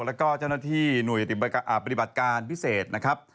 แล้วก็เจ้าหน้าที่หน่วยปฏิบัติการพิเศษนะครับ